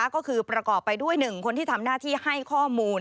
ก็คือประกอบไปด้วย๑คนที่ทำหน้าที่ให้ข้อมูล